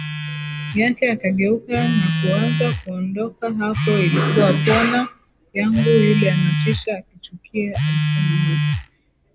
yake akageuka na kuanza kuondokaHapo ilikuwa pona yangu Yule anatisha akichukia alisemaHata